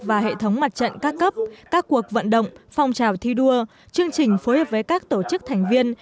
và hệ thống mặt trận các cấp các cuộc vận động phong trào thi đua chương trình phối hợp với các tổ chức thành viên